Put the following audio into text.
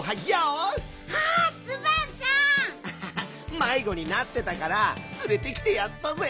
まいごになってたからつれてきてやったぜ。